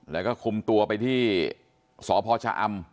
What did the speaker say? แล้วก็คุมตัวไปที่สพชะอำ